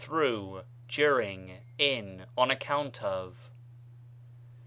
through, during, in, on account of.